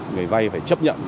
người vay phải chấp nhận